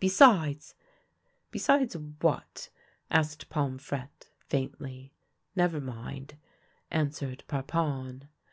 Besides "" Besides what ?" asked Pomfrette, faintly. " Never mind," answered Parpon.